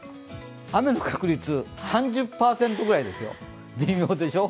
雨の確率３０％ぐらいですよ、微妙でしょう？